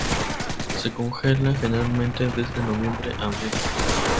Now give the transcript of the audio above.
Se congela generalmente desde noviembre a abril.